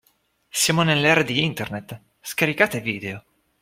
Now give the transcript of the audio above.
Siamo nell'era di Internet, scaricate video.